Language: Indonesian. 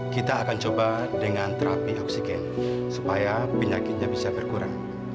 kita akan coba dengan terapi oksigen supaya penyakitnya bisa berkurang